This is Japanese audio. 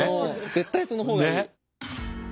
絶対その方がいい。